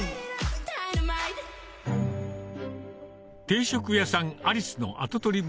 定食屋さん「ありす」の跡取り